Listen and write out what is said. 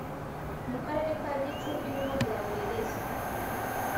mu Karere ka Gicumbi niho byabereye